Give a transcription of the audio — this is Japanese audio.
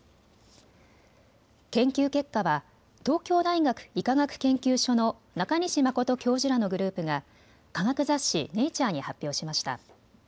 研究結果は東京大学医科学研究所の中西真教授らのグループが科学雑誌、ネイチャーに発表しました。